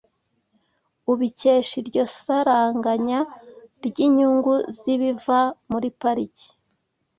ubikesha iryo saranganya ry’inyungu z’ibiva muri pariki